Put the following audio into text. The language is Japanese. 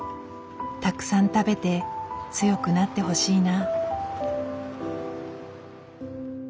たくさん食べて強くなってほしいな。